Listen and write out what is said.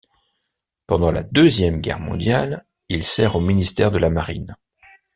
Pendant la deuxième Guerre mondiale, il sert au ministère de la Marine.